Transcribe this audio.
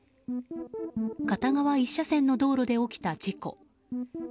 片側１車線の道路で起きた事故。